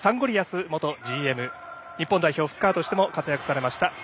リアス元ＧＭ日本代表フッカーとしても活躍されました